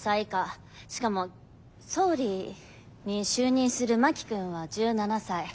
しかも総理に就任する真木君は１７才。